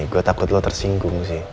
gue takut lo tersinggung sih